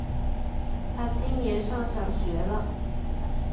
他今年上小学了